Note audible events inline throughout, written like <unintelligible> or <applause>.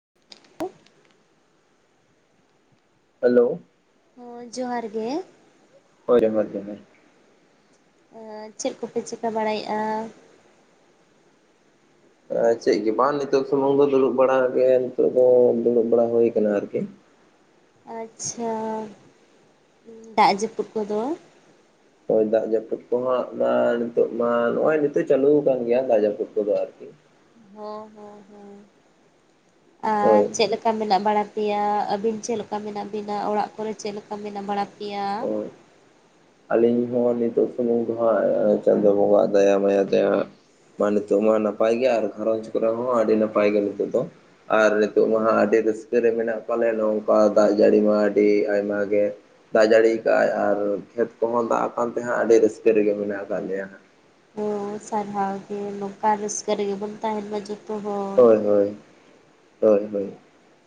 <unintelligible> Hello ᱦᱚᱸ ᱡᱚᱦᱟᱨ ᱜᱮ ᱦᱳᱭ ᱦᱳᱭ ᱦᱳᱭ ᱪᱮᱫ ᱠᱚᱯᱮ ᱪᱤᱠᱟᱹ ᱵᱟᱲᱟᱭᱮᱫᱼᱟ? ᱪᱮᱫ ᱜᱮ ᱵᱟᱝ ᱱᱤᱛᱚᱜ ᱥᱩᱢᱩᱝ ᱫᱚ ᱫᱩᱲᱩᱵ ᱵᱟᱲᱟ ᱜᱮ ᱱᱤᱛᱚᱜ ᱫᱚ ᱫᱩᱲᱩᱵ ᱵᱟᱲᱟ ᱦᱩᱭᱩ ᱟᱠᱟᱱᱟ ᱟᱨᱠᱤ᱾ ᱟᱪᱪᱷᱟ ᱫᱟᱜ ᱡᱟᱹᱯᱩᱫ ᱠᱚᱫᱚ ᱦᱚᱭ ᱫᱟᱜ ᱡᱟᱹᱯᱩᱫ ᱠᱚᱦᱟᱸᱜ ᱢᱟ ᱱᱤᱛᱚᱜ ᱢᱟ ᱱᱚᱭ ᱱᱤᱛᱚᱜ ᱢᱟ ᱪᱟᱹᱞᱩ ᱠᱟᱱᱟᱱ ᱜᱮᱭᱟ ᱫᱟᱜ ᱡᱟᱹᱯᱩᱫ ᱠᱚᱫᱚ ᱟᱨᱠᱤ ᱦᱚᱸ ᱦᱩᱸ ᱦᱩᱸ ᱟᱨ ᱦᱳᱭ ᱪᱮᱫ ᱞᱮᱠᱟ ᱢᱮᱱᱟᱜ ᱵᱟᱲᱟ ᱯᱮᱭᱟ ᱟᱹᱵᱤᱱ ᱪᱮᱫ ᱞᱮᱠᱟ ᱢᱮᱱᱟᱜ ᱵᱤᱱᱟ ᱚᱲᱟᱜ ᱠᱚᱨᱮ ᱪᱮᱫ ᱞᱮᱠᱟ ᱢᱮᱱᱟᱜ ᱵᱟᱲᱟ ᱯᱮᱭᱟ ᱦᱳᱭ ᱟᱹᱞᱤᱧ ᱦᱚᱸ ᱱᱤᱛᱚᱜ ᱥᱩᱢᱩᱝ ᱫᱚ ᱦᱟᱸᱜ ᱪᱟᱸᱫᱚ ᱵᱚᱸᱜᱟᱣᱟᱜ ᱫᱟᱭᱟ ᱢᱟᱭᱟ ᱛᱮ ᱦᱟᱜ ᱢᱟ ᱱᱤᱛᱚᱜ ᱢᱟ ᱱᱟᱯᱟᱭ ᱜᱮ ᱟᱨ ᱜᱷᱟᱨᱚᱸᱡᱽ ᱠᱚᱨᱮ ᱦᱚᱸ ᱟᱹᱰᱤ ᱱᱟᱯᱟᱭ ᱜᱮ ᱱᱤᱛᱚᱜ ᱫᱚ ᱟᱨ ᱱᱤᱛᱚᱜ ᱢᱟᱦᱟᱸ ᱟᱹᱰᱤ ᱨᱟᱹᱥᱠᱟᱹ ᱨᱮ ᱢᱮᱱᱟᱜ ᱠᱚᱣᱟ ᱞᱮᱱ ᱱᱚᱝᱠᱟ ᱫᱟᱜ ᱡᱟᱹᱲᱤ ᱢᱟ ᱟᱹᱰᱤ ᱟᱭᱢᱟᱜ ᱜᱮ ᱫᱟᱜ ᱡᱟᱹᱲᱤᱭᱟ ᱟᱠᱟᱫ ᱟᱭ ᱟᱨ ᱠᱷᱮᱛ ᱠᱚᱦᱚᱸ ᱫᱟᱜ ᱟᱠᱟᱱ ᱛᱮᱦᱜ ᱟᱹᱰᱤ ᱨᱟᱹᱥᱠᱟᱹ ᱨᱮᱜᱮ ᱢᱮᱱᱟᱜ ᱟᱠᱟᱫ ᱞᱮᱭᱟ <unintelligible> ᱥᱟᱨᱦᱟᱣ ᱜᱮ ᱱᱚᱝᱠᱟ ᱨᱥᱠᱟᱹᱨᱜ ᱨᱮᱜᱮ ᱵᱚ ᱛᱟᱦᱮᱱ ᱢᱟ ᱡᱚᱛᱚ ᱦᱚᱲ ᱦᱳᱭ ᱦᱳᱭ ᱦᱳᱭ ᱦᱳᱭ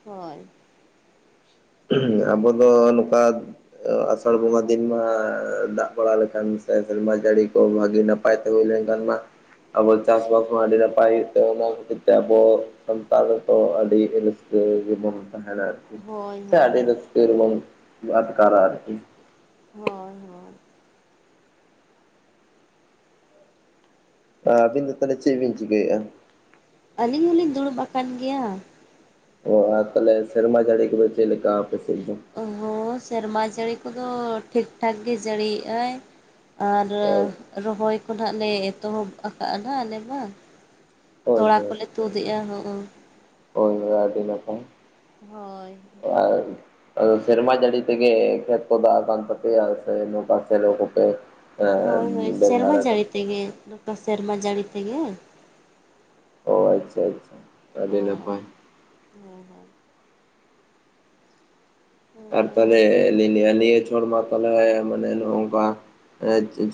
ᱦᱳᱭ <unintelligible> ᱟᱵᱚ ᱫᱚ ᱱᱚᱝᱠᱟ ᱟᱥᱟᱲ ᱵᱚᱸᱜᱟ ᱫᱤᱱ ᱢᱟ ᱫᱟᱜ ᱵᱟᱲᱟ ᱞᱮᱠᱷᱟᱱ ᱥᱮ ᱥᱮᱨᱢᱟ ᱡᱟᱹᱲᱤ ᱠᱚ ᱵᱷᱟᱹᱜᱤ ᱱᱟᱯᱟᱭ ᱯᱟᱭ <unintelligible> ᱞᱮᱱ ᱠᱷᱟᱱ ᱢᱟ ᱟᱵᱚ ᱪᱟᱥᱵᱟᱥ ᱢᱟ ᱟᱹᱰᱤ ᱱᱟᱯᱟᱭ ᱦᱩᱭᱩᱜ ᱛᱮ ᱚᱱᱟ ᱠᱷᱟᱹᱛᱤᱨ ᱛᱮ ᱟᱵᱚ ᱥᱟᱱᱛᱟᱲᱛᱚ ᱫᱚ ᱟᱹᱰᱤ ᱵᱚᱱ ᱟᱨᱠᱤ ᱦᱳᱭ ᱥᱮ ᱦᱳᱭ ᱟᱹᱰᱤ ᱦᱳᱭ ᱨᱥ ᱨᱮᱵᱚᱱ ᱟᱴᱠᱟᱨᱟ ᱟᱨᱠᱤ ᱦᱳᱭ ᱦᱳᱭ ᱟᱹᱵᱤᱱ ᱫᱚ ᱛᱟᱦᱚᱞᱮ ᱪᱮᱫ ᱵᱤᱱ ᱪᱤᱠᱟᱹᱭᱮᱫᱼᱟ ᱟᱹᱞᱤᱧ ᱦᱚᱞᱤᱧ ᱫᱩᱲᱩᱵ ᱟᱠᱟᱱ ᱜᱮᱭᱟ ᱚ ᱟᱨ ᱛᱟᱦᱚᱞᱮ ᱥᱮᱨᱢᱟ ᱡᱟᱹᱲᱤ ᱠᱚᱫᱚ ᱪᱮᱫ ᱞᱮᱠᱟ ᱟᱯᱮᱥᱮᱫ ᱫᱚ ᱚ ᱥᱮᱨᱢᱟ ᱡᱟᱹᱲᱤ ᱠᱚᱫᱚ ᱴᱷᱤᱠ ᱴᱷᱟᱠ ᱜᱮ ᱡᱟᱹᱲᱤ ᱮᱜᱟᱭ ᱟᱨ ᱦᱳᱭ ᱨᱚᱦᱚᱭ ᱠᱚᱱᱦᱟᱜ ᱞᱮ ᱮᱛᱚᱦᱚᱵ ᱟᱠᱟᱟᱜᱼᱟ ᱱᱟ ᱟᱞᱮ ᱢᱟ ᱦᱳᱭ ᱛᱚᱲᱟ ᱠᱚᱞᱮ ᱛᱩᱫ ᱮᱫᱚ ᱦᱚᱸᱜ ᱠᱚᱭ ᱢᱮ ᱟᱹᱰᱤ ᱱᱟᱯᱟᱭ ᱦᱳᱭ ᱟᱨ ᱟ ᱥᱮᱨᱢᱟ ᱡᱟᱹᱲ ᱛᱮ ᱜᱮ ᱠᱷᱮᱛ ᱠᱚᱫᱚ ᱫᱟᱜ ᱠᱟᱱ ᱛᱟᱯᱮᱭᱟ ᱥᱮ ᱱᱚᱝᱠᱟ ᱥᱮᱞᱚ ᱠᱚᱛᱮ ᱵᱮᱵᱚᱦᱟᱨᱚᱛ ᱛᱮᱧ ᱱᱚᱝᱠᱟ ᱥᱮᱨᱢᱟ ᱡᱟᱹᱲᱤ ᱛᱮᱜᱮ ᱚ ᱟᱪᱪᱷᱟ ᱟᱪᱪᱷᱟ ᱟᱹᱰᱤ ᱦᱳᱭ ᱱᱟᱯᱟᱭ <unintelligible> ᱟᱨ ᱚᱸ ᱛᱟᱦᱚᱞᱮ <unintelligible> ᱪᱷᱚᱲ ᱢᱟ ᱛᱟᱦᱚᱞᱮ ᱢᱟᱱᱮ ᱱᱚᱝᱠᱟ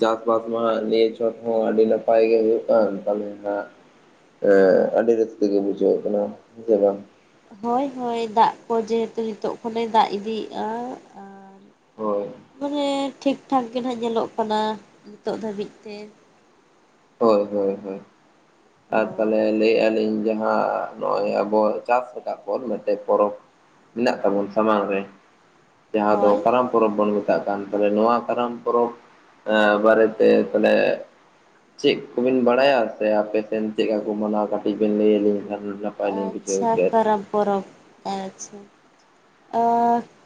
ᱪᱟᱥᱵᱟᱥ ᱢᱟ ᱱᱤᱭᱟᱹ ᱪᱚᱛ ᱦᱚᱸ ᱟᱹᱰᱤ ᱱᱟᱯᱟᱭ ᱜᱮ ᱦᱩᱭᱩᱜ ᱠᱟᱱ ᱛᱟᱦᱚᱞᱮ ᱦᱟᱜ ᱮᱸ ᱟᱹᱰᱤ ᱨᱟᱹᱥᱠᱟᱹ ᱜᱮ ᱵᱩᱡᱷᱟᱹᱜ ᱠᱟᱱᱟ ᱥᱮ ᱵᱟᱝ ᱦᱳᱭ ᱦᱳᱭ ᱫᱟᱜ ᱠᱚ ᱡᱮᱦᱮᱛᱩ ᱱᱤᱛᱚᱜ ᱠᱷᱚᱱᱮ ᱫᱟᱜ ᱤᱫᱤᱭᱮᱜᱼᱟ ᱟᱨ ᱦᱳᱭ ᱛᱚᱨᱮ ᱴᱷᱤᱠ ᱴᱷᱟᱠ ᱜᱮ ᱱᱟᱦᱟᱜ ᱧᱮᱞᱚᱜ ᱠᱟᱱᱟ ᱱᱤᱛᱚᱜ ᱫᱷᱟᱹᱵᱤᱡ ᱛᱮ ᱦᱳᱭ ᱦᱳᱭ ᱦᱳᱭ ᱟᱨ ᱦᱳᱭ ᱛᱟᱦᱚᱞᱮ ᱞᱟᱹᱭᱮᱜᱼᱟ ᱞᱤᱧ ᱡᱟᱦᱟᱸ ᱱᱚᱜᱚᱭ ᱟᱵᱚ ᱪᱟᱥ ᱮᱫᱟ ᱵᱚᱱ ᱢᱤᱫᱴᱮᱡ ᱯᱚᱨᱚᱵᱽ ᱢᱮᱱᱟᱜ ᱛᱟᱵᱚᱱ ᱥᱟᱢᱟᱝ ᱨᱮ ᱡᱟᱦᱟᱸ ᱫᱚ ᱦᱳᱭ ᱥᱟᱱᱟᱢ ᱯᱚᱨᱚᱵ ᱵᱚᱱ ᱢᱮᱛᱟᱜ ᱠᱟᱱ ᱛᱟᱦᱮ ᱱᱚᱣᱟ ᱠᱟᱨᱟᱢ ᱯᱚᱨᱚᱵᱽ ᱵᱟᱨᱮᱛᱮ ᱛᱟᱦᱚᱞᱮ ᱪᱮᱫ ᱠᱚᱵᱮᱱ ᱵᱟᱲᱟᱭᱟ ᱥᱮ ᱟᱯᱮᱥᱮᱱ ᱪᱮᱫ ᱞᱮᱠᱟ ᱠᱚ ᱢᱟᱱᱟᱣᱟ ᱠᱟᱹᱴᱤᱡ ᱵᱮᱱ ᱞᱟᱹᱭᱟᱞᱤᱧ ᱠᱷᱟᱱ ᱦᱩᱸᱱᱟᱯᱟᱭ ᱞᱤᱧ ᱵᱩᱡᱷᱟᱹᱣ ᱟᱪᱪᱷᱟ ᱠᱮᱫ ᱠᱟᱨᱟᱢ ᱯᱚᱨᱚᱵᱽ <unintelligible>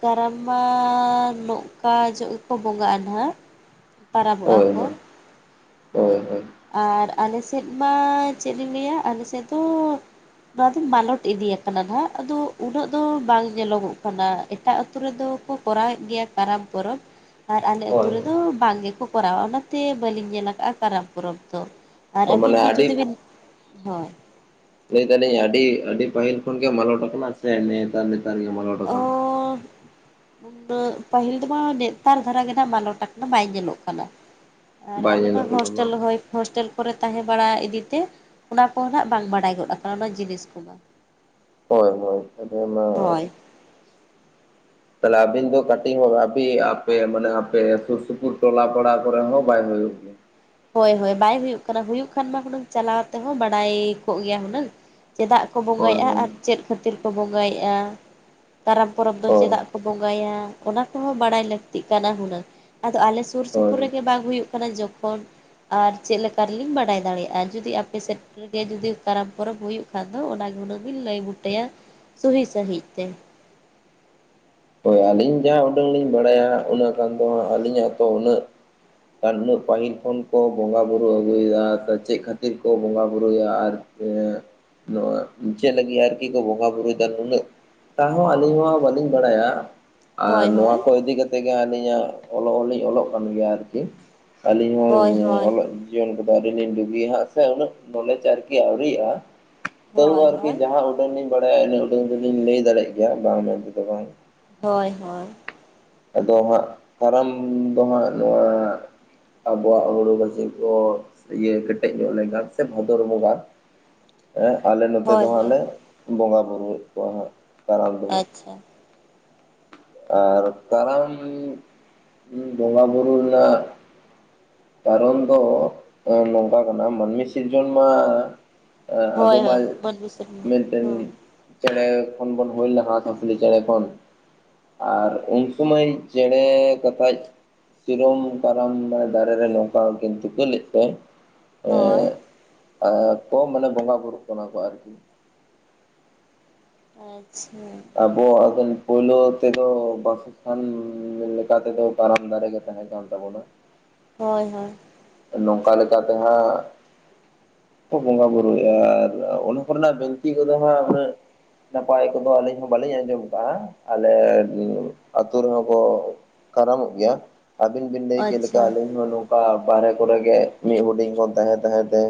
ᱠᱟᱨᱟᱢ ᱢᱟ ᱱᱚᱝᱠᱟ ᱡᱚᱜ ᱜᱮᱠᱚ ᱵᱚᱸᱜᱟᱜᱼᱟ ᱱᱟᱦᱟᱜ ᱯᱟᱨᱟᱚᱵ ᱵᱚᱜᱼᱟ ᱦᱳᱭ ᱠᱚ ᱦᱳᱭ ᱦᱳᱭ ᱟᱨ ᱟᱞᱮ ᱥᱮᱫ ᱢᱟ ᱪᱮᱫ ᱤᱧ ᱞᱟᱹᱭᱟ ᱟᱞᱮ ᱥᱮᱫ ᱫᱚ ᱱᱚᱣᱟ ᱫᱚ ᱢᱟᱞᱚᱴ ᱤᱫᱤᱭᱟ ᱟᱠᱟᱱᱟ ᱱᱟᱦᱟᱜ ᱟᱫᱚ ᱩᱱᱟᱹᱜ ᱫᱚ ᱵᱟᱝ ᱧᱮᱞᱚᱜᱚᱜ ᱠᱟᱱᱟ ᱮᱴᱟᱜ ᱟᱛᱩ ᱨᱮᱫᱚ ᱠᱚ ᱠᱚᱨᱟᱣᱮᱫ ᱜᱮᱭᱟ ᱠᱟᱨᱟᱢ ᱯᱚᱨᱚᱵᱽ ᱟᱨ ᱟᱞᱮ ᱟᱹᱛᱩ ᱦᱳᱭ ᱨᱮᱫᱚ ᱵᱟᱝ ᱜᱮᱠᱚ ᱠᱚᱨᱟᱣᱟ ᱚᱱᱟᱛᱮ ᱵᱟᱹᱞᱤᱧ ᱧᱮᱞ ᱠᱟᱜᱼᱟ ᱠᱟᱨᱟᱢ ᱯᱚᱨᱚᱵᱽ ᱫᱚ ᱟᱨ ᱚ ᱟᱹᱵᱤᱱ ᱢᱟᱱᱮ ᱜᱮ ᱟᱹᱰᱤ ᱡᱩᱫᱤ ᱵᱤᱱ ᱦᱳᱭ ᱞᱟᱹᱭ ᱫᱟᱞᱤᱧ ᱟᱹᱰᱤ ᱟᱹᱰᱤ ᱯᱟᱹᱦᱤᱞ ᱠᱷᱚᱱ ᱜᱮ ᱢᱟᱞᱚᱴ ᱠᱟᱱᱟ ᱥᱮ ᱱᱮᱛᱟᱨ ᱱᱮᱛᱟᱨ ᱜᱮ ᱢᱟᱞᱚᱴ ᱟᱠᱟᱱᱟ ᱛ <unintelligible> ᱯᱟᱹᱦᱤᱞ ᱫᱚᱢᱟ ᱱᱮᱛᱟᱨ ᱫᱷᱟᱨᱟ ᱜᱮ ᱦᱟᱸᱜ ᱢᱟᱞᱚᱴ ᱟᱠᱟᱱᱟ ᱵᱟᱭ ᱧᱮᱞᱚᱜ ᱠᱟᱱᱟ ᱟᱨ ᱵᱟᱭ ᱟᱞᱮ ᱢᱟ ᱧᱮᱞᱚᱜ ᱠᱟᱱᱟ ᱦᱳᱥᱴᱮᱞ ᱵᱟᱝ ᱦᱚᱭ ᱦᱳᱥᱴᱮᱞ ᱠᱚᱨᱮ ᱛᱟᱦᱮᱸ ᱵᱟᱲᱟ ᱤᱫᱤᱛᱮ ᱚᱱᱟ ᱠᱚᱦᱚ ᱱᱟᱜ ᱵᱟᱝ ᱵᱟᱰᱟᱭ ᱜᱚᱫ ᱟᱠᱟᱱᱟ ᱚᱱᱟ ᱡᱤᱱᱤᱥ ᱠᱚᱢᱟ ᱦᱳᱭ ᱦᱳᱭ ᱟᱞᱮ ᱢᱟ ᱦᱳᱭ ᱛᱟᱦᱞᱮ ᱟᱹᱵᱤᱱ ᱫᱚ ᱠᱟᱹᱴᱤᱡ ᱵᱤᱱ ᱟᱯᱮ ᱢᱟᱱᱮ ᱟᱯᱮ ᱥᱩᱨ ᱥᱩᱯᱩᱨ ᱴᱚᱞᱟ ᱯᱟᱲᱟ ᱠᱚᱨᱮ ᱦᱚᱸ ᱵᱟᱭ ᱦᱩᱭᱩᱜ ᱦᱳᱭ ᱦᱳᱭ ᱵᱟᱭ ᱦᱩᱭᱩᱜ ᱠᱟᱱᱟ ᱦᱩᱭᱩᱜ ᱠᱷᱟᱱ ᱢᱟ ᱦᱩᱱᱟᱹᱝ ᱪᱟᱞᱟᱣ ᱛᱮᱦᱚᱸ ᱵᱟᱰᱟᱭ ᱠᱚᱜ ᱜᱮᱭᱟ ᱦᱩᱱᱟᱹᱝ ᱪᱮᱫᱟᱜ ᱠᱚ ᱦᱳᱭ ᱵᱚᱸᱜᱟᱭᱮᱫᱼᱟ ᱦᱳᱭ ᱟᱨ ᱪᱮᱫ ᱠᱷᱟᱹᱛᱤᱨ ᱠᱚ ᱵᱚᱸᱜᱟᱭᱮᱫᱼᱟ ᱠᱟᱨᱟᱢ ᱯᱚᱨᱚᱵᱽ ᱫᱚ ᱦᱳᱭ ᱪᱮᱫᱟᱜ ᱠᱚ ᱵᱚᱸᱜᱟᱭᱟ ᱚᱱᱟ ᱠᱚᱦᱚᱸ ᱵᱟᱲᱟᱭ ᱞᱟᱹᱠᱛᱤᱜ ᱠᱟᱱᱟ ᱦᱩᱱᱟᱹᱝ ᱟᱫᱚ ᱟᱞᱮ ᱥᱩᱨ ᱥᱩᱯᱩᱨ ᱦᱳᱭ ᱨᱮᱜᱮ ᱵᱟᱝ ᱦᱩᱭᱩᱜ ᱠᱟᱱᱟ ᱡᱚᱠᱷᱚᱱ ᱟᱨ ᱪᱮᱫ ᱞᱮᱠᱟ ᱨᱮᱞᱤᱧ ᱵᱟᱰᱟᱭ ᱫᱟᱲᱮᱭᱟᱜᱼᱟ ᱡᱩᱫᱤ ᱟᱯᱮ ᱥᱮᱫ ᱨᱮᱜᱮ ᱡᱩᱫᱤ ᱠᱟᱨᱟᱢ ᱯᱚᱨᱚᱵᱽ ᱦᱩᱭᱩᱜ ᱠᱷᱟᱱ ᱫᱚ ᱚᱱᱟᱜᱮ ᱦᱩᱱᱟᱹᱝ ᱵᱮᱤᱱ ᱞᱟᱹᱭ ᱵᱩᱴᱟᱹᱭᱟ ᱥᱩᱦᱤ ᱥᱟᱺᱦᱤᱡ ᱛᱮ ᱦᱳᱭ ᱟᱹᱞᱤᱧ ᱡᱟᱦᱟᱸ ᱩᱰᱟᱹᱝ ᱞᱤᱧ ᱵᱟᱲᱟᱭᱟ ᱚᱱᱟᱹ ᱠᱷᱟᱱ ᱫᱚ ᱟᱹᱞᱤᱧᱟᱜ ᱛᱚ ᱩᱱᱟᱹᱜ ᱟᱱ ᱩᱱᱟᱹᱜ ᱯᱟᱹᱦᱤᱞ ᱠᱷᱚᱱ ᱠᱚ ᱵᱚᱸᱜᱟ ᱵᱩᱨᱩ ᱟᱹᱜᱩᱭᱮᱫᱟ ᱛᱚ ᱪᱮᱫ ᱠᱷᱟᱹᱛᱤᱨ ᱠᱚ ᱵᱚᱸᱜᱟ ᱵᱩᱨᱩᱭᱟ ᱟᱨ ᱱᱚᱣᱟ ᱢᱩᱪᱮᱫ ᱞᱟᱹᱜᱤᱫ ᱟᱨᱠᱤ ᱠᱚ ᱵᱚᱸᱜᱟ ᱵᱨᱩᱭᱮᱫᱟ ᱱᱩᱱᱟᱹᱜ ᱛᱟᱦᱚᱸ ᱟᱹᱞᱤᱧ ᱦᱚᱸ ᱵᱟᱹᱞᱤᱧ ᱵᱟᱲᱟᱭᱟ ᱟᱨ ᱦᱳᱭ ᱱᱚᱣᱟ ᱦᱳᱭ ᱠᱚ ᱤᱫᱤ ᱠᱟᱛᱮᱫ ᱛᱮᱜᱟ ᱟᱹᱞᱤᱧᱟᱜ ᱚᱞᱚᱜ ᱦᱚᱸᱞᱤᱧ ᱚᱞᱚᱜ ᱠᱟᱱ ᱜᱮᱭᱟ ᱟᱨᱠᱤ ᱟᱹᱞᱤᱧ ᱦᱳᱭ ᱦᱳᱭ ᱦᱚᱸ ᱡᱚᱱ <inaudible> ᱵᱟᱹᱜᱤ ᱥᱮ ᱟᱨ ᱜᱮ ᱦᱟᱸ ᱥᱮ ᱦ ᱱᱚᱮ ᱪᱟᱨᱠᱤ ᱟᱜᱩᱭᱮᱫᱟ ᱛᱟᱹᱩ ᱦᱳᱭ ᱟᱨᱠᱤ ᱦᱳᱭ ᱡᱟᱦᱟᱸ ᱩᱰᱟᱹᱱ ᱞᱤᱧ ᱵᱟᱲᱟᱭᱟ ᱤᱱᱟᱹ ᱩᱰᱟᱹᱟᱹᱱ ᱫᱚᱞᱤᱧ ᱞᱟᱹᱭ ᱫᱟᱲᱮᱭᱟᱜ ᱜᱮᱭᱟ ᱵᱟᱝ ᱢᱮᱱᱛᱮᱫᱚ ᱵᱟᱝ ᱦᱳᱭ ᱦᱳᱭ ᱟᱫᱚ ᱦᱟᱸᱜ ᱠᱟᱨᱟᱢ ᱫᱚ ᱦᱟᱸᱜ ᱱᱚᱣᱟ ᱟᱵᱚᱣᱟᱜ ᱦᱩᱲᱩ ᱜᱟᱹᱪᱷᱤ ᱠᱚ ᱤᱭᱟᱹ ᱠᱮᱴᱮᱡ ᱧᱚᱜ ᱞᱮᱱᱠᱷᱟᱱ ᱥᱮ ᱵᱷᱟᱫᱚᱨ ᱵᱚᱸᱜᱟ <inaudible> ᱦᱮᱸ ᱟᱞᱮ ᱱᱚᱛᱮ ᱫᱚ ᱦᱳᱭ ᱦᱟᱸᱜ ᱦᱳᱭ ᱞᱮ ᱵᱚᱸᱜᱟ ᱵᱩᱨᱩᱭᱮᱫ ᱠᱚᱣᱟ ᱦᱟᱸᱜ ᱠᱟᱨᱟᱢ ᱫᱚᱦᱟᱸ ᱟᱪᱪᱷᱟ ᱟᱨ ᱠᱟᱨᱟᱢ ᱵᱚᱸᱜᱟ ᱵᱩᱨᱩ ᱨᱮᱱᱟᱜ ᱠᱟᱨᱚᱱ ᱫᱚ ᱱᱚᱝᱠᱟ ᱠᱟᱱᱟ ᱢᱟᱹᱱᱢᱤ ᱥᱤᱨᱡᱚᱱ ᱢᱟ ᱦᱳᱭ ᱟᱵᱚᱢ ᱦᱳᱭ ᱢᱟᱹᱱᱢᱤ ᱥᱮᱨᱢᱟ ᱢᱮᱱᱴᱮᱱ ᱦᱳᱭ ᱪᱮᱬᱮ ᱠᱷᱚᱱ ᱵᱚᱱ ᱦᱩᱭ ᱞᱮᱱᱟ ᱦᱟᱥ ᱦᱟᱹᱥᱞᱤ ᱪᱮᱬᱮ ᱠᱷᱚᱱ ᱟᱨ ᱩᱱ ᱥᱚᱢᱟᱹᱭ ᱪᱮᱬᱮ ᱠᱟᱛᱷᱟᱡ ᱥᱤᱨᱚᱢ ᱠᱟᱨᱟᱢ ᱢᱟᱱᱮ ᱫᱟᱨᱮ ᱨᱮ ᱱᱚᱝᱠᱟ ᱠᱤᱱ ᱛᱩᱠᱟᱹ ᱞᱮᱫ ᱯᱮ ᱦᱳᱭ ᱠᱚ ᱢᱟᱱᱮ ᱵᱚᱸᱜᱟ ᱵᱳᱩᱨᱩᱜ ᱠᱟᱱᱟ ᱠᱚ ᱟᱨᱠᱤ ᱟᱪᱷᱟ ᱟᱵᱚᱱ ᱯᱩᱭᱞᱩ ᱛᱮᱫᱚ ᱵᱟ ᱟᱱ ᱞᱮᱠᱟ ᱛᱮᱫᱚ ᱠᱟᱨᱟᱢ ᱫᱟᱨᱮ ᱜᱮ ᱛᱟᱦᱮᱸ ᱠᱟᱱ ᱛᱟᱵᱚᱱᱟ ᱦᱳᱭ ᱦᱳᱭ ᱱᱚᱝᱠᱟ ᱞᱮᱠᱟᱛᱮᱦᱟᱸᱜ ᱠᱚ ᱵᱚᱸᱜᱟ ᱵᱩᱨᱩᱳᱭᱟ ᱟᱨ ᱚᱱᱟ ᱠᱚᱨᱮᱱᱟᱜ ᱵᱤᱱᱛᱤ ᱠᱚᱫᱚ ᱦᱟᱸᱜ ᱩᱱᱟᱹᱜ ᱱᱟᱯᱟᱭ ᱠᱚᱫᱚ ᱟᱹᱞᱤᱧ ᱦᱚᱸ ᱵᱟᱹᱞᱤᱧ ᱟᱸᱡᱚᱢ ᱟᱠᱟᱜᱼᱟ ᱟᱞᱮ ᱟᱹᱛᱩ ᱨᱮᱦᱚᱸ ᱠᱚ ᱠᱟᱨᱟᱢᱚᱜ ᱜᱮᱭᱟ ᱟᱹᱵᱤᱱ ᱵᱤᱱ ᱞᱟᱹᱭ ᱠᱮᱫ ᱞᱮᱠᱟ ᱟᱪᱪᱷᱟ ᱟᱹᱞᱤᱧ ᱦᱚᱸ ᱱᱚᱝᱠᱟ ᱵᱟᱦᱨᱮ ᱠᱚᱨᱮ ᱜᱮ ᱢᱤᱫ ᱦᱩᱰᱤᱧ ᱠᱷᱚᱱ ᱛᱟᱦᱮᱸ ᱛᱟᱦᱮᱸ ᱛᱮ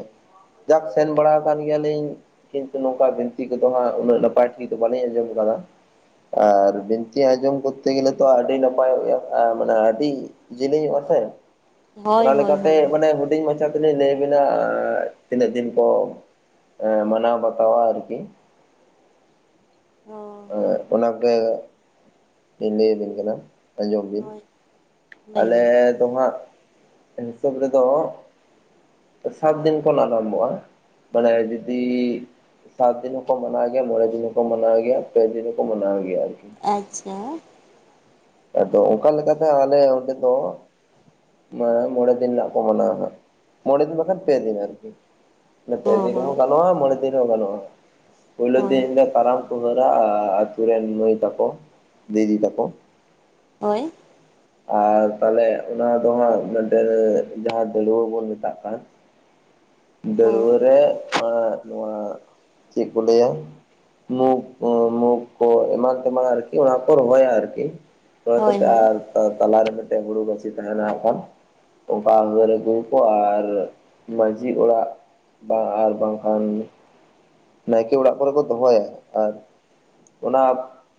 ᱡᱟᱠ ᱥᱮᱱ ᱵᱟᱲᱟ ᱟᱠᱟᱱ ᱜᱮᱭᱟᱞᱤᱧ ᱠᱤᱱᱛᱩ ᱱᱚᱝᱠᱟ ᱵᱤᱱᱛᱤ ᱠᱚᱫᱚ ᱦᱟᱸᱜ ᱩᱱᱟᱹᱜ ᱱᱟᱯᱟᱭ ᱴᱷᱤᱠ ᱫᱚ ᱵᱟᱞᱤᱧ ᱟᱸᱡᱚᱢ ᱟᱠᱟᱫᱟ ᱟᱨ ᱵᱤᱱᱛᱤ ᱟᱸᱡᱚᱢ ᱠᱚᱨᱛᱮ ᱜᱮᱞᱮ ᱛᱚ ᱟᱹᱰᱤ ᱱᱟᱯᱟᱭᱚᱜᱼᱟ ᱢᱟᱱᱮ ᱟᱹᱰᱤ ᱡᱮᱞᱮᱧᱚᱜ ᱟ ᱥᱮ ᱦᱳᱭ ᱚᱱᱟ ᱦᱳᱭ ᱞᱮᱠᱟᱛᱮ ᱦᱳᱭ ᱦᱳᱭ ᱢᱟᱱᱮ ᱦᱩᱰᱤᱧ ᱢᱟ ᱟᱪᱷᱟ ᱛᱤᱱᱟᱹᱜᱤᱧ ᱞᱟᱹᱭᱵᱮᱱᱟ ᱛᱤᱱᱟᱹᱜ ᱫᱤᱱ ᱠᱚ ᱢᱟᱱᱟᱣ ᱵᱟᱛᱟᱣᱟ ᱟᱨᱠᱤ ᱦᱳᱭ ᱚᱱᱟᱜᱮ ᱵᱤᱱ ᱞᱟᱹᱭᱟᱵᱤᱱ ᱠᱟᱱᱟ ᱟᱸᱡᱚᱢ ᱵᱤᱱ ᱦᱳᱭ ᱞᱟᱹᱭ ᱟᱞᱮ ᱵᱤᱱ ᱫᱚᱦᱟᱜ ᱦᱤᱥᱟᱹᱵ ᱨᱮᱫᱚ ᱥᱟᱛ ᱫᱤᱱ ᱠᱷᱚᱱ ᱟᱨᱟᱢᱵᱷᱚᱜᱼᱟ ᱢᱟᱱᱮ ᱡᱩᱫᱤ ᱥᱟᱛ ᱫᱤᱱ ᱦᱚᱸᱠᱚ ᱢᱟᱱᱟᱣ ᱜᱮᱭᱟ ᱢᱚᱬᱮ ᱫᱤᱱ ᱦᱚᱸᱠᱚ ᱢᱟᱱᱟᱣ ᱜᱮᱭᱟ ᱯᱮ ᱫᱤᱱ ᱦᱚᱸᱠᱚ ᱢᱟᱱᱟᱣ ᱜᱮᱭᱟ ᱟᱨᱠᱤ ᱟᱪᱷᱟ ᱟᱫᱚ ᱚᱱᱠᱟ ᱞᱮᱠᱟᱛᱮ ᱟᱞᱮ ᱚᱸᱰᱮ ᱫᱚ ᱢᱟ ᱢᱚᱬᱮ ᱫᱤᱱ ᱨᱮᱱᱟᱜ ᱠᱚ ᱢᱟᱱᱟᱣᱟ ᱫᱟ ᱢᱚᱬᱮ ᱫᱤᱱ ᱵᱟᱠᱷᱟᱱ ᱯᱮ ᱫᱤᱱ ᱟᱨᱠᱤ ᱯᱮ ᱦᱚᱸ ᱫᱤᱱ ᱨᱮᱦᱚ ᱦᱚᱸ ᱜᱟᱱᱚᱜᱼᱟ ᱢᱚᱬᱮ ᱫᱤᱱ ᱦᱚᱸ ᱜᱟᱱᱚᱜᱼᱟ ᱯᱳᱭᱞᱳ ᱦᱳᱭ ᱫᱤᱱ ᱦᱤᱞᱳᱜ ᱯᱟᱨᱟᱢ ᱠᱚ ᱦᱟᱨᱟᱹ ᱟᱛᱳ ᱨᱮᱱ ᱢᱟᱹᱭ ᱛᱟᱠᱚ ᱫᱤᱫᱤ ᱛᱟᱠᱚ ᱚᱭ ᱟᱨ ᱛᱟᱦᱚᱞᱮ ᱚᱱᱟ ᱫᱚ ᱟᱸᱜ ᱢᱤᱫᱴᱮᱱ ᱡᱟᱦᱟᱸ ᱫᱟᱹᱲᱣᱟᱹ ᱵᱚᱱ ᱢᱮᱛᱟᱜ ᱠᱟᱱ ᱫᱟᱹᱲᱣᱟᱹ ᱦᱚᱸ ᱨᱮ ᱟᱸᱷ ᱱᱚᱣᱟ ᱪᱮᱫ ᱠᱚ ᱞᱟᱹᱭᱟ᱾ ᱢᱩᱠ ᱠᱚ ᱢᱩᱠ ᱠᱚ ᱮᱢᱟᱱ ᱛᱮᱢᱟᱱ ᱟᱨᱠᱤ ᱚᱱᱟ ᱠᱚ ᱨᱚᱦᱚᱭᱟ ᱟᱨᱠᱤ ᱨᱚᱦᱭ ᱦᱳᱭ ᱠᱟᱛᱮ ᱦᱳᱭ ᱟᱨ ᱛᱟᱞᱟᱨᱮ ᱢᱤᱫᱴᱮᱱ ᱦᱩᱲᱩ ᱜᱟᱹᱪᱷᱤ ᱛᱟᱦᱮᱱᱟ ᱦᱟᱜᱠᱷᱟᱱ ᱚᱠᱟᱨᱮ ᱜᱲ ᱠᱚ ᱟᱨ ᱢᱟᱺᱡᱷᱤ ᱚᱲᱟᱜ ᱵᱟᱝ ᱟᱨ ᱵᱟᱝ ᱠᱷᱟᱱ ᱱᱟᱭᱠᱮ ᱚᱲᱟᱜ ᱠᱚᱨᱮ ᱫᱚ ᱫᱚᱦᱚᱭᱟ ᱟᱨ ᱚᱱᱟ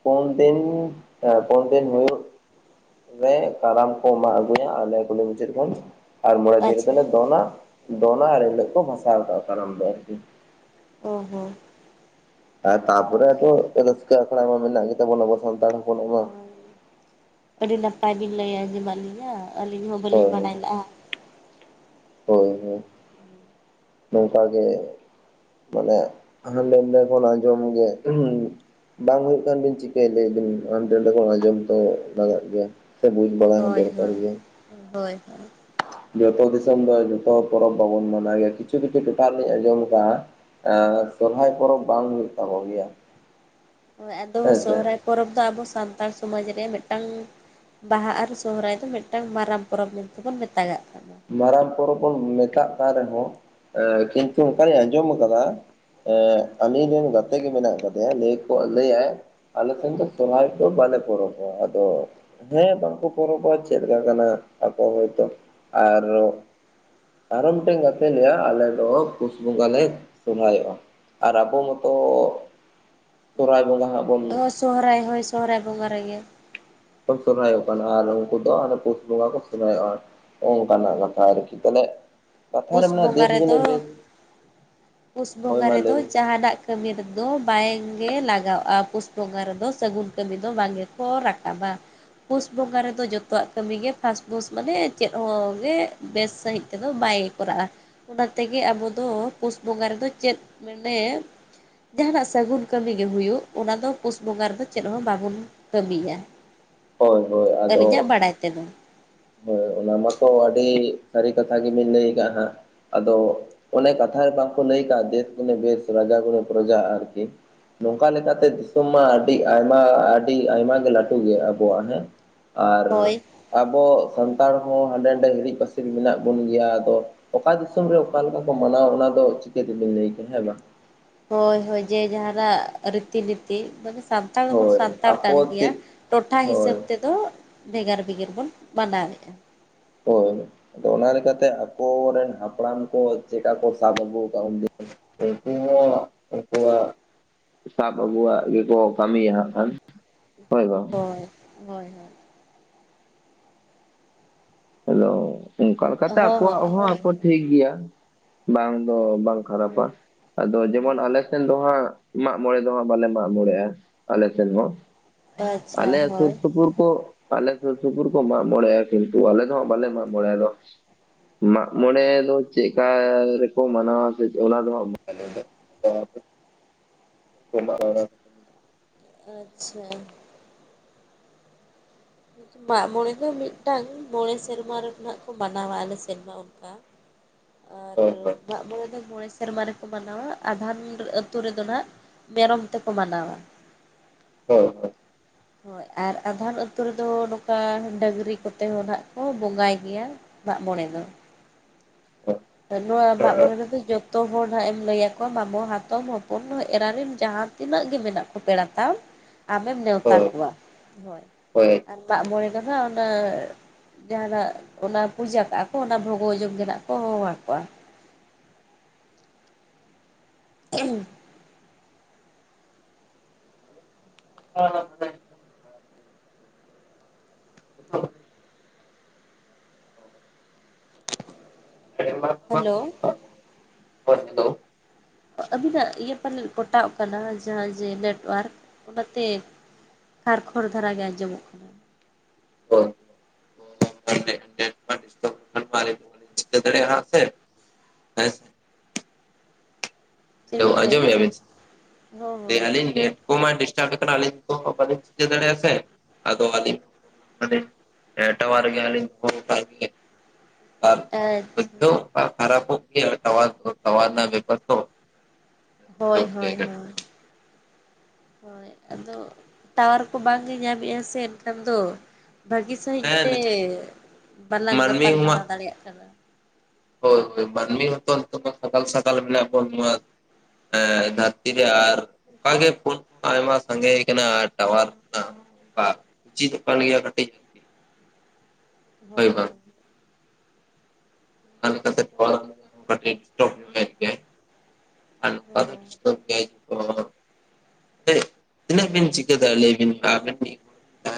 ᱯᱳᱱ ᱫᱤᱱ ᱮ ᱯᱳᱱ ᱫᱤᱱ ᱦᱩᱭᱩᱜ ᱨᱮ ᱠᱟᱨᱟᱢ ᱠᱚ ᱢᱟᱜ ᱟᱹᱜᱩᱭᱟ ᱟᱨᱞᱮ ᱠᱩᱞᱦᱤ ᱢᱩᱪᱟᱹᱫ ᱠᱷᱚᱱ ᱟᱨ ᱢᱚᱬᱮ ᱫᱤᱱ ᱨᱮ ᱟᱪᱪᱷᱟ ᱫᱚᱞᱮ ᱫᱚᱱᱟ ᱫᱚᱱᱟ ᱟᱨ ᱮᱱ ᱦᱤᱞᱳᱜ ᱠᱚ ᱵᱷᱟᱥᱟᱣ ᱠᱟᱜᱼᱟ ᱠᱟᱨᱟᱢ ᱫᱚ ᱟᱨᱠᱤ ᱚᱦ ᱦᱚᱸ ᱟᱨ ᱛᱟᱯᱚᱨᱮ ᱟᱛᱩ ᱨᱟᱹᱥᱠᱟᱹ ᱟᱠᱚ ᱠᱚᱲᱟᱜᱦ ᱢᱟ ᱢᱮᱱᱟᱜ ᱜᱮᱛᱟᱵᱚᱱᱟ ᱟᱵᱚ ᱥᱟᱱᱛᱟᱲ ᱦᱚᱯᱚᱱ ᱢᱟ᱾ ᱟᱹᱰᱤ ᱱᱟᱯᱟᱭ ᱵᱤᱱ ᱞᱟᱹᱭᱟ ᱟᱸᱡᱚᱢᱟᱜ ᱞᱤᱧᱟᱹ ᱟᱹᱞᱤᱧ ᱦᱚᱸ ᱵᱟᱹᱞᱤᱧ ᱦᱳᱭ ᱵᱟᱰᱟᱭ ᱞᱟᱜᱼᱟ᱾ ᱦᱳᱭ ᱦᱳᱭ ᱱᱚᱝᱠᱟ ᱜᱮ ᱢᱟᱱᱮ ᱦᱟᱱᱮ ᱞᱮᱱᱰᱮ ᱠᱷᱚᱱ ᱟᱸᱡᱚᱢ ᱜᱮᱭᱟ <unintelligible> ᱵᱟᱝ ᱦᱩᱭᱩᱜ ᱠᱟᱱ ᱵᱤᱱ ᱪᱤᱠᱟᱹᱭ ᱞᱟᱹᱭᱮ ᱵᱤᱱ ᱟᱱᱰᱮᱱᱮ ᱠᱷᱚᱱ ᱟᱸᱡᱚᱢ ᱛᱚ ᱞᱟᱜᱟᱜ ᱜᱮᱭᱟ᱾ ᱥᱮ ᱵᱩᱡ ᱢᱟ ᱦᱳᱭ ᱦᱳᱭ, ᱦᱳᱭ ᱡᱚᱛᱚ ᱫᱤᱥᱚᱢ ᱫᱚ ᱡᱚᱛᱚ ᱯᱚᱨᱚᱵᱽ ᱵᱟᱵᱩᱱ ᱢᱟᱱᱟᱣ ᱜᱮᱭᱟ ᱠᱤᱪᱷᱩ ᱠᱤᱪᱷᱩ ᱴᱚᱴᱷᱟ ᱨᱮ ᱞᱤᱧᱸ ᱡᱚᱢ ᱟᱠᱟᱫᱼᱟ᱾ ᱟᱨ ᱥᱚᱨᱦᱟᱭ ᱯᱚᱨᱚᱵᱽ ᱵᱟᱝ ᱦᱩᱭᱩᱜ ᱛᱟᱠᱚᱱ ᱜᱮᱭᱟ᱾ ᱦᱳᱭ ᱟᱫᱚ ᱦᱮᱸ ᱥᱮ ᱥᱚᱦᱨᱟᱭ ᱯᱚᱨᱚᱵᱽ ᱫᱚ ᱟᱵᱚ ᱥᱟᱱᱛᱟᱲ ᱥᱚᱢᱟᱡᱽ ᱨᱮ ᱢᱤᱫᱴᱟᱝ ᱵᱟᱦᱟ ᱟᱨ ᱥᱚᱦᱚᱨᱟᱭ ᱫᱚ ᱢᱤᱫᱴᱟᱝ ᱢᱟᱨᱟᱝ ᱯᱚᱨᱚᱵᱽ ᱢᱮᱱᱛᱮᱵᱚᱱ ᱢᱮᱛᱟᱜ ᱜᱟᱜ ᱠᱟᱱᱟ ᱢᱟᱨᱟᱝ ᱯᱚᱨᱚᱵᱽ ᱵᱚᱱ ᱢᱮᱛᱟᱜ ᱠᱟᱱ ᱨᱮᱦᱚᱸ ᱮ ᱠᱤᱱᱛᱩ ᱚᱱᱠᱟᱧ ᱟᱸᱡᱚᱢ ᱠᱟᱫᱟ ᱮᱫ ᱟ. ᱞᱤᱧ ᱨᱮᱱ ᱜᱟᱛᱮ ᱜᱮ ᱢᱮᱱᱟᱜ ᱠᱟᱫᱮᱭᱟ ᱞᱟᱹᱭ ᱠᱚ ᱞᱟᱹᱭᱟᱭ ᱟᱞᱮ ᱥᱮᱱ ᱫᱚ ᱥᱚᱨᱦᱟᱭ ᱠᱚ ᱵᱟᱞᱮ ᱯᱚᱨᱚᱵᱽ-ᱣᱟ ᱟᱫᱚ ᱦᱮᱸ ᱵᱟᱝᱠᱚ ᱯᱚᱨᱚᱵᱽᱚᱜᱼᱟ ᱪᱮᱫ ᱞᱮᱠᱟᱱᱟᱜ ᱟᱠᱚ ᱦᱚᱭᱛᱚ ᱟᱨ ᱟᱨᱚ ᱢᱤᱫᱴᱮᱱ ᱜᱟᱛᱮ ᱞᱟᱹᱭᱟ ᱟᱞᱮ ᱫᱚ ᱯᱩᱥ ᱵᱚᱸᱜᱟ ᱞᱮ ᱥᱚᱦᱨᱟᱭᱚᱜᱼᱟ᱾ ᱟᱨ ᱟᱵᱚ ᱢᱚᱛᱚ ᱥᱚᱦᱚᱨᱟᱭ ᱵᱚᱸᱜᱟ ᱦᱟᱸᱜ ᱵᱚᱱ ᱦᱳ ᱥᱚᱦᱨᱟᱭ ᱦᱳᱭ ᱥᱚᱦᱨᱟᱭ ᱵᱚᱸᱜᱟ ᱨᱮᱜᱮ᱾ ᱠᱚ ᱥᱚᱨᱦᱟᱭᱚᱜ ᱠᱟᱱᱟ ᱟᱨ ᱩᱱᱠᱩ ᱫᱚ ᱯᱩᱥ ᱵᱚᱸᱜᱟ ᱠᱚ ᱥᱚᱨᱦᱟᱭᱚᱜᱼᱟ᱾ ᱳᱱᱠᱷᱟᱱᱟᱜ ᱠᱟᱛᱷᱟ ᱟᱨᱠᱤ ᱛᱟᱞᱮ ᱯᱩᱥ ᱵᱚᱸᱜᱟ ᱨᱮᱫᱚ ᱯᱩᱥ ᱦᱳᱭ ᱵᱚᱸᱜᱟ ᱢᱟ ᱞᱟᱹᱭ ᱨᱮᱫᱚ ᱢᱮ ᱡᱟᱦᱟᱱᱟᱜ ᱠᱟᱹᱢᱤ ᱨᱮᱫᱚ ᱵᱟᱭᱝᱜᱮ ᱞᱟᱳᱜᱟᱜᱼᱟ᱾ ᱯᱩᱥ ᱵᱚᱸᱜᱟ ᱨᱮᱫᱚ ᱥᱟᱹᱜᱩᱱ ᱠᱟᱹᱢᱤ ᱫᱚ ᱵᱟᱝ ᱜᱮᱠᱚ ᱨᱟᱠᱟᱵᱟ᱾ ᱯᱩᱥ ᱵᱚᱸᱜᱟ ᱨᱮᱫᱚ ᱡᱚᱛᱚᱣᱟᱜ ᱠᱟᱹᱢᱤᱜᱮ ᱯᱟᱥᱯᱩᱥ ᱢᱟᱱᱮ ᱪᱮᱫ ᱦᱚᱸ ᱜᱮ ᱵᱮᱥ ᱥᱟᱹᱦᱤᱡ ᱛᱮᱫᱚ ᱵᱟᱭ ᱠᱚᱨᱟᱜᱼᱟ ᱚᱱᱟ ᱛᱮᱜᱮ ᱟᱵᱚ ᱫᱚ ᱯᱩᱥ ᱵᱚᱸᱜᱟ ᱨᱮᱫᱚ ᱪᱮᱫ ᱢᱮᱱᱮ ᱡᱟᱦᱱᱟᱜ ᱥᱟᱹᱜᱩᱱ ᱠᱟᱹᱢᱤ ᱜᱮ ᱦᱩᱭᱩᱜ ᱚᱱᱟ ᱫᱚ ᱯᱩᱥ ᱵᱚᱸᱜᱟ ᱨᱮᱫᱚ ᱪᱮᱫ ᱦᱚᱸ ᱵᱟᱵᱚᱱ ᱠᱟᱹᱢᱤᱭᱟ ᱦᱳᱭ ᱦᱳᱭ ᱟᱹᱞᱤᱧᱟᱜ ᱟᱫᱚ ᱵᱟᱲᱟᱭ ᱛᱮᱫᱚ ᱦᱳᱭ ᱚᱱᱟ ᱢᱟᱛᱚ ᱟᱹᱰᱤ ᱥᱟᱹᱨᱤ ᱠᱟᱛᱷᱟ ᱜᱮᱵᱤᱱ ᱞᱟᱹᱭ ᱟᱠᱟᱫ ᱦᱟᱸᱜ᱾ ᱟᱫᱚ ᱚᱱᱮ ᱠᱟᱛᱷᱟ ᱨᱮ ᱵᱟᱝᱠᱚ ᱞᱟᱹᱭ ᱠᱟᱜᱼᱟ ᱫᱮᱥ ᱜᱩᱱᱮ ᱵᱮᱥ ᱨᱟᱡᱟ ᱜᱩᱱᱮ ᱯᱨᱚᱡᱟ ᱟᱨᱠᱤ ᱱᱚᱝᱠᱟ ᱞᱮᱠᱟᱛᱮ ᱫᱤᱥᱚᱢ ᱢᱟ ᱟᱹᱰᱤ ᱟᱭᱢᱟ ᱟᱹᱰᱤ ᱟᱭᱢᱟ ᱜᱮ ᱞᱟᱹᱴᱩ ᱜᱮᱭᱟ ᱳᱣᱟᱜ ᱦᱮᱸ᱾ ᱟᱨ ᱦᱳᱭ ᱟᱵᱚ ᱥᱟᱱᱛᱟᱲ ᱦᱚᱸ ᱦᱟᱸᱰᱮ ᱱᱟᱰᱮ ᱦᱤᱨᱤᱡ ᱯᱟᱹᱥᱤᱨ ᱢᱮᱱᱟᱜ ᱵᱚᱱ ᱜᱮᱭᱟ ᱟᱫᱚ ᱚᱠᱟ ᱫᱤᱥᱚᱢ ᱨᱮ ᱚᱠᱟ ᱞᱮᱠᱟ ᱠᱚ ᱢᱟᱱᱟᱣ ᱚᱱᱟ ᱫᱚ ᱪᱤᱠᱟᱹ ᱛᱮᱵᱤᱱ ᱞᱟᱹᱭ ᱠᱮᱭᱟ ᱦᱮᱸ ᱵᱟᱝ ᱦᱳᱭ ᱦᱳᱭ ᱡᱮ ᱡᱟᱦᱟᱱᱟᱜ ᱨᱤᱛᱤ ᱱᱤᱛᱤ ᱢᱟᱱᱮ ᱥᱟᱱ ᱥᱟᱱᱛᱟᱲ ᱫᱚᱵᱚᱱ ᱦᱳᱭ ᱥᱟᱱᱛᱟᱲ ᱠᱟᱱ ᱟᱠᱚ ᱛᱮ ᱜᱮᱭᱟ ᱴᱚᱴᱷᱟ ᱦᱤᱥᱟᱹᱵ ᱦᱳᱭ ᱛᱮᱫᱚ ᱵᱷᱮᱜᱟᱨ ᱵᱤᱜᱟ. ᱨ ᱵᱚᱱ ᱢᱟᱱᱟᱣᱮᱫᱼᱟ ᱦᱳᱭ ᱟᱫᱚ ᱚᱱᱟᱞ ᱞᱮᱠᱟᱛᱮ ᱟᱵᱚᱨᱮᱱ ᱦᱟᱯᱲᱟᱢ ᱠᱚ ᱪᱮᱠᱟ ᱠᱚ ᱥᱟᱵ ᱟᱹᱜᱩ ᱟᱠᱟᱫᱼᱟ ᱩᱱᱫᱤᱱ ᱩᱱᱠᱩᱣᱟᱜ ᱩᱱᱠᱩᱣᱟᱜ ᱥᱟᱯ ᱟᱵᱩᱣᱟᱜ ᱜᱮᱠᱚ ᱠᱟᱢᱤᱭᱟ ᱠᱷᱟᱱ ᱦᱳᱭ ᱜᱳ ᱦᱳᱭ ᱦᱳᱭ ᱦᱳᱭ ᱦᱮᱞᱳ ᱚᱱᱠᱟ ᱞᱮᱠᱟᱛᱮ ᱦᱳᱭ ᱦᱳᱭ ᱟᱠᱚᱣᱟᱜ ᱦᱚᱸ ᱦᱳᱭ ᱟᱠᱚ ᱴᱷᱤᱠ ᱜᱮᱭᱟ᱾ ᱵᱟᱝ ᱫᱚ ᱵᱟᱝ ᱠᱷᱟᱨᱟᱯᱟ ᱟᱫᱚ ᱡᱮᱢᱚᱱ ᱦᱳᱭ ᱟᱞᱮ ᱥᱮᱱ ᱫᱚ ᱦᱟᱸᱜ ᱢᱟᱜ ᱢᱚᱬᱮ ᱫᱚ ᱦᱟᱸᱜ ᱵᱟᱞᱮ ᱢᱟᱜ ᱢᱚᱬᱮᱜ-ᱟ ᱟᱞᱮ ᱥᱮᱱ ᱦᱚᱸ ᱟᱪᱪᱷᱟ ᱟᱞᱮ ᱥᱩᱨ ᱦᱳᱭ ᱥᱩᱯᱩᱨ ᱠᱚ ᱟᱞᱮ ᱥᱩᱨ ᱥᱩᱯᱩᱨ ᱠᱚ ᱢᱟᱜ ᱢᱚᱬᱮᱜ-ᱟ ᱠᱤᱱᱛᱩ ᱟᱞᱮ ᱫᱚᱦ ᱵᱟᱞᱮ ᱢᱟᱜ ᱢᱚᱬᱮᱜ-ᱟ ᱟᱫᱚ ᱢᱟᱜᱢᱚᱬᱮ ᱫᱚ ᱪᱮᱫᱠᱟᱻ ᱨᱮᱠᱚ ᱢᱟᱱᱟᱣᱟ ᱠᱭ ᱚᱱᱟ ᱫᱚ ᱦᱟᱜ <unintelligible> ᱢᱮ ᱫᱚ ᱦᱮ <unintelligible> <unintelligible> ᱟᱪᱪᱷᱟ ᱢᱟᱜ ᱢᱚᱬᱮ ᱫᱚ ᱢᱤᱫᱴᱟᱝ ᱢᱚᱬᱮ ᱥᱮᱨᱢᱟ ᱨᱮᱱᱟᱜ ᱠᱚ ᱢᱟᱱᱟᱣᱟ ᱟᱞᱮ ᱥᱮᱨᱢᱟ ᱠᱟ ᱟᱨ ᱢᱟᱜ ᱢᱚᱬᱮ ᱫᱚ ᱢᱚᱬᱮ ᱥᱮᱨᱢᱟ ᱨᱮᱠᱚ ᱢᱟᱱᱟᱣᱟ ᱟᱫᱷᱚᱢ ᱟᱹᱛᱩ ᱨᱮᱫᱚ ᱱᱟᱜ ᱢᱮᱨᱚᱢ ᱛᱮᱠᱚ ᱢᱟᱱᱟᱣᱟ ᱦᱮᱸ ᱦᱮᱸ ᱦᱳᱭ ᱟᱨ ᱟᱫᱷᱟᱱ ᱟᱹᱛᱩ ᱨᱮᱫᱚ ᱱᱚᱝᱠᱟ ᱰᱟᱹᱝᱨᱤ ᱠᱚᱛᱮ ᱦᱚᱸ ᱱᱟᱦᱟᱜ ᱠᱚ ᱵᱚᱸᱜᱟᱭ ᱜᱮᱭᱟ ᱢᱟᱜᱢᱚᱬᱮ ᱫᱚ ᱚ ᱱᱚᱣᱟ ᱢᱟᱜᱽ ᱢᱚᱬᱮ ᱨᱮᱫᱚ ᱡᱚᱜ ᱚᱛᱚ ᱦᱚᱲ ᱱᱟᱦᱟᱜ ᱮᱢ ᱞᱟᱹᱭ ᱭᱟᱠᱚᱣᱟ ᱢᱟᱢᱳ ᱦᱟᱛᱚᱢ ᱦᱚᱯᱚᱱ ᱮᱨᱟ ᱨᱮᱱ ᱡᱟᱦᱟᱸ ᱛᱤᱱᱟᱹᱜ ᱜᱮ ᱢᱮᱱᱟᱜ ᱠᱚ ᱯᱮᱲᱟ ᱛᱟᱢ ᱟᱢᱮᱢ ᱱᱮᱣᱛᱟ ᱠᱚᱣᱟ ᱦᱳᱭ ᱟᱨ ᱢᱟᱜ ᱢᱚᱬᱮ ᱫᱚ ᱱᱟᱦᱟᱜ ᱚᱱᱟ ᱡᱟᱦᱟᱱᱟᱜ ᱚᱱᱟ ᱯᱩᱡᱟᱹ ᱠᱟᱜ-ᱟ ᱠᱚ ᱚᱱᱟ ᱵᱷᱚᱜᱚ ᱡᱚᱢ ᱜᱮᱱᱟᱜ ᱠᱚ ᱦᱚᱦᱚᱣᱟᱠᱚᱣᱟ ᱦᱸ <unintelligible> ᱦᱪ <unintelligible> ᱦᱸ <unintelligible> <inaudible> ᱪ <unintelligible> ᱦᱮᱞᱳ ᱵ ᱫᱚ <unintelligible> ᱟᱹᱵᱤᱱᱟᱜ ᱤᱭᱟᱹ ᱯᱟᱞᱮᱫ ᱯᱚᱴᱟᱣ ᱠᱟᱱᱟ ᱡᱟᱦᱟᱸ ᱡᱮ ᱱᱮᱴᱳᱣᱟᱨᱠ ᱚᱱᱟᱛᱮ ᱠᱷᱟᱨ ᱠᱷᱚᱲ ᱫᱷᱟᱨᱟᱜ ᱜᱮ ᱟᱸᱡᱚᱢᱚᱜ ᱠᱟᱱᱟ ᱥᱮᱟᱲᱮ ᱥᱮ ᱦᱮᱸ ᱥᱮ <unintelligible> ᱪᱮᱫ ᱵᱤᱱ ᱟᱸᱡᱚᱢ ᱞᱟᱹᱭᱮᱫ ᱵᱮᱱ ᱥᱮ ᱦᱚᱸ ᱦᱚᱸ <unintelligible> ᱰᱤᱥᱴᱟ ᱠᱟᱱᱟ ᱟᱹᱞᱤᱧ ᱫᱚ ᱵᱟᱞᱤᱧ ᱪᱤᱠᱟᱹ ᱫᱟᱲᱮᱭᱟᱜ-ᱟ ᱥᱮ ᱟᱫᱚ ᱟᱹᱞᱤᱧ ᱮᱴᱟ ᱵᱟᱨ ᱜᱮᱭᱟᱞᱤᱧ <unintelligible> ᱟᱨ ᱟᱪᱪᱷᱟ ᱠᱷᱟᱨᱯ ᱥ ᱵᱮᱯᱟᱨ <unintelligible> ᱡᱚᱜ ᱦᱳᱭ ᱜᱮᱭᱟᱭ ᱦᱳᱭ ᱠᱟᱹᱴᱤᱡ ᱫᱚ ᱦᱳᱭ ᱦᱳᱭ ᱟᱫᱚ ᱴᱟᱣᱟᱨ ᱠᱚ ᱵᱟᱝᱜᱮ ᱧᱟᱢᱮᱫ-ᱟ ᱥᱮ ᱮᱱᱠᱷᱟᱱ ᱫᱚ ᱵᱷᱟᱹᱜᱤ ᱥᱟᱹᱦᱤᱡ ᱦᱮᱸ ᱛᱮ ᱱᱤᱛᱚᱜ ᱵᱟᱞᱟᱝ ᱢᱟᱹᱱᱢᱤ ᱢᱟ ᱜᱟᱯᱟᱞᱢᱟᱨᱟᱣ ᱫᱟᱲᱮᱭᱟᱜ ᱠᱟᱱᱟ ᱦᱳᱭ ᱢᱟᱱᱢᱤ ᱦᱩᱭᱩᱜᱚᱛ ᱛ ᱥᱟᱜᱟᱞ ᱥᱟᱜᱟᱞ ᱢᱮᱱᱟᱜ <unintelligible> ᱦᱮᱸ ᱫᱷᱟᱹᱨᱛᱤ ᱨᱮ ᱟᱨ ᱚᱱᱠᱟᱜᱮ ᱯᱷᱳᱱ ᱟᱭᱢᱟ ᱥᱟᱸᱜᱮ ᱟᱠᱟᱱᱟ ᱴᱟᱣᱟᱨ ᱵᱟ <inaudible> ᱠᱟᱱ ᱜᱮᱭᱟ ᱠᱟᱹᱴᱤᱡ ᱦᱳᱭ ᱦᱳᱭ <unintelligible> ᱟᱨ ᱦᱳᱭ ᱜᱮ <unintelligible> ᱛᱤᱱᱟᱹᱜ ᱵᱤᱱ ᱪᱤᱠᱟᱹᱮᱫ ᱞᱟᱹᱭᱵᱤᱱ ᱟᱵᱮᱱ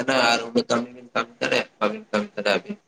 ᱛᱟᱨ ᱵᱤᱱ ᱠᱟᱹᱢᱤᱱ ᱠᱟᱹᱢᱤᱵᱤᱱ <unintelligible>